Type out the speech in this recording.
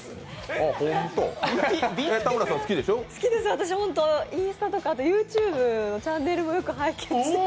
好きです、インスタとかＹｏｕＴｕｂｅチャンネルもよく拝見してて。